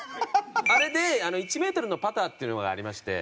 あれで１メートルのパターっていうのがありまして。